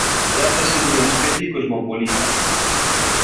Trátase dunha especie cosmopolita.